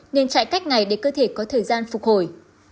nên chạy cách này để cơ thể có thời gian phục hồi